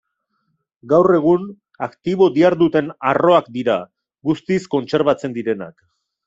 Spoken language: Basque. Gaur egun aktibo diharduten arroak dira guztiz kontserbatzen direnak.